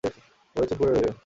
পড়ে চুপ করে রইল।